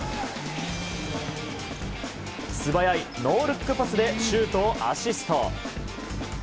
素早いノールックパスでシュートをアシスト。